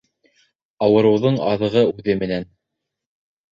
Ауырыуҙың аҙығы үҙе менән.